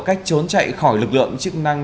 cách trốn chạy khỏi lực lượng chức năng